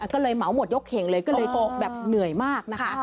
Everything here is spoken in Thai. ก็เลยเหมาหมดยกเข่งเลยก็เลยแบบเหนื่อยมากนะคะ